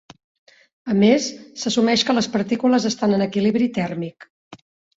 A més, s'assumeix que les partícules estan en equilibri tèrmic.